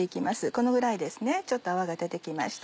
このぐらいですねちょっと泡が出て来ました。